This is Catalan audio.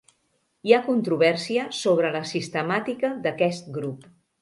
Hi ha controvèrsia sobre la sistemàtica d'aquest grup.